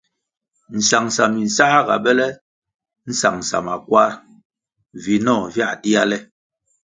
Nsangʼsa minsā ga bele nsangʼsa makwar, vinoh via dia le.